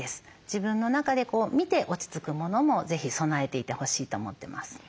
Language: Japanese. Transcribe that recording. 自分の中で見て落ち着くものも是非備えていてほしいと思ってます。